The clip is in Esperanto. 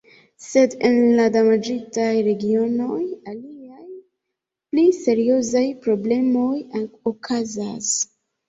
Sed en la damaĝitaj regionoj aliaj, pli seriozaj problemoj okazas.